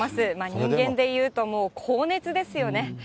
人間でいうと、もう高熱ですよね。